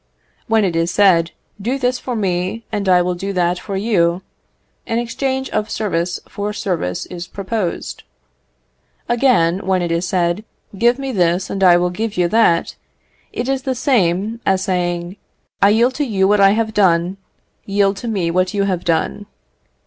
When it is said, "Do this for me, and I will do that for you," an exchange of service for service is proposed. Again, when it is said, "Give me this, and I will give you that," it is the same as saying, "I yield to you what I have done, yield to me what you have done."